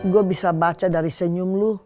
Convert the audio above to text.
gue bisa baca dari senyum lu